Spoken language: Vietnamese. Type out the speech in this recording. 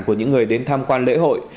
của những người đến tham quan lễ hội